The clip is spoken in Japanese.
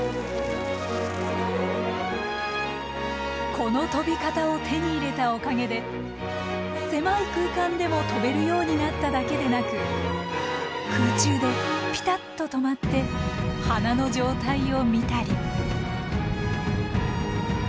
この飛び方を手に入れたおかげで狭い空間でも飛べるようになっただけでなく空中でピタッと止まって花の状態を見たり。